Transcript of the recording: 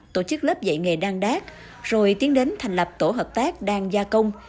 tổ chức lớp dạy nghề đăng đác rồi tiến đến thành lập tổ hợp tác đăng gia công